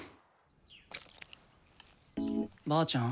ばあちゃん。